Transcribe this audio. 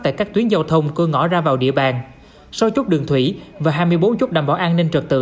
tại các tuyến giao thông cơ ngõ ra vào địa bàn sáu chốt đường thủy và hai mươi bốn chốt đảm bảo an ninh trật tự